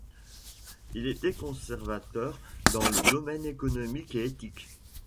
Il était conservateur dans les domaines économiques et éthiques.